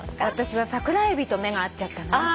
私は「桜エビ」と目が合っちゃったな。